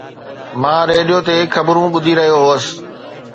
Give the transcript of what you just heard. مان ريڊيو تي خبرون ٻڌي رهيو هوس